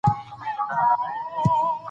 د پاک خدای په مرسته به وړاندې ځو.